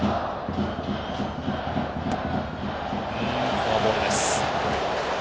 フォアボールです。